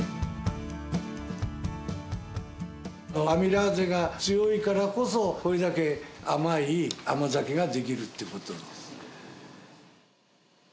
アミラーゼが強いからこそこれだけ甘い甘酒ができるってことです。